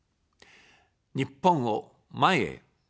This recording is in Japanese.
日本を、前へ。